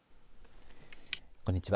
こんにちは。